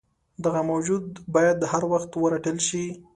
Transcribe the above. دغه موجود باید هروخت ورټل شي.